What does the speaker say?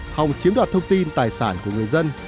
hòng chiếm đoạt thông tin tài sản của người dân